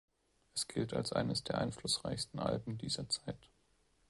Es gilt als eines der einflussreichsten Alben dieser Zeit.